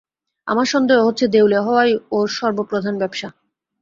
আমার সন্দেহ হচ্ছে দেউলে হওয়াই ওর সর্বপ্রধান ব্যবসা।